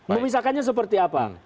memisahkannya seperti apa